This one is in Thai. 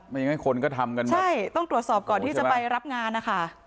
อย่างนั้นคนก็ทำกันใช่ต้องตรวจสอบก่อนที่จะไปรับงานนะคะ